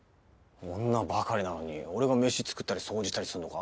女ばかりなのに俺が飯作ったり掃除したりするのか？